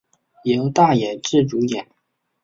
由大野智主演。